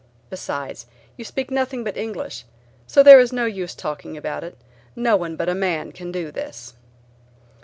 Besides you speak nothing but English, so there is no use talking about it; no one but a man can do this."